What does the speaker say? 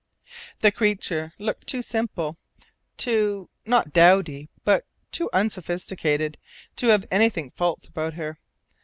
The creature looked too simple, too not dowdy, but too unsophisticated, to have anything false about her.